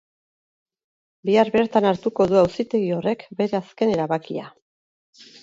Bihar bertan hartuko du auzitegi horrek bere azken erabakia.